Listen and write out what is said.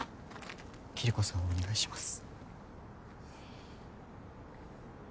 キリコさんをお願いします